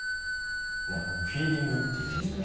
フィーリングっていうんですかね。